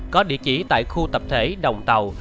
có địa chỉ tại khu tập thể đồng tàu